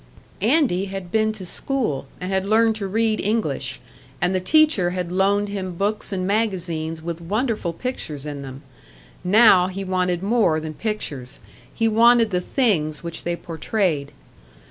Andy had been to school, and had learned to read English, and the teacher had loaned him books and magazines with wonderful pictures in them; now he wanted more than pictures, he wanted the things which they portrayed.